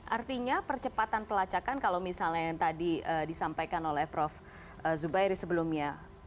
artinya percepatan pelacakan kalau misalnya yang tadi disampaikan oleh prof zubairi sebelumnya